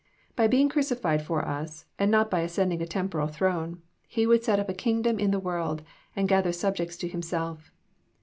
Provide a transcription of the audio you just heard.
By being crucified for us, and not by ascending a temporal throne, He would set up a king dom in the world, and gather subjects to Himself.